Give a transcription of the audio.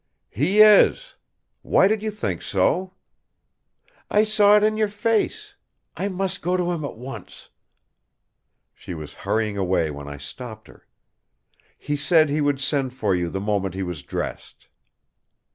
"He is! Why did you think so?" "I saw it in your face. I must go to him at once." She was hurrying away when I stopped her. "He said he would send for you the moment he was dressed."